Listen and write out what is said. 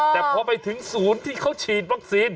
แต่พอไปถึงศูนย์ที่เขาฉีดวัคซีน